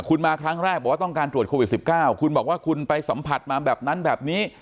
คุณมาครั้งแรกบอกว่าต้องการตรวจโควิด๑๙คุณบอกว่าคุณไปสัมผัสมาแบบนั้นแบบนี้